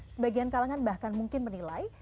sebagian kalangan bahkan mungkin menilai